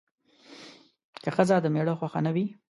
که ښځه د میړه خوښه نه وي